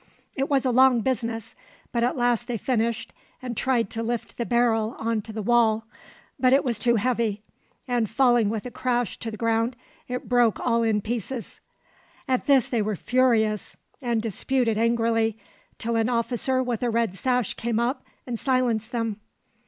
It was a long business, but at last they finished and tried to lift the barrel on to the wall; but it was too heavy, and falling with a crash to the ground it broke all in pieces. At this they were furious and disputed angrily, till an officer with a red sash came up and silenced them.